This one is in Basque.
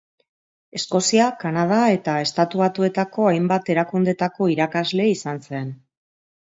Eskozia, Kanada eta Estatu Batuetako hainbat erakundetako irakasle izan zen.